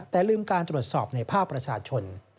แต่ลืมการตรวจสอบในภาคประชาชน